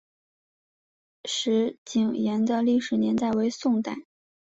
石井岩的历史年代为宋代。